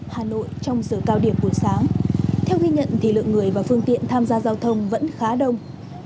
hà nội trong giờ cao điểm buổi sáng theo ghi nhận thì lượng người và phương tiện tham gia giao thông vẫn khá đông